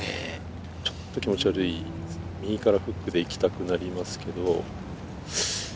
ちょっと気持ち悪い、右からフックで行きたくなりますけれど。